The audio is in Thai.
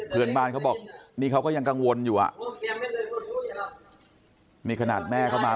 เพื่อนบ้านเขาบอกนี่เขาก็ยังกังวลอยู่นี่ขนาดแม่เขามา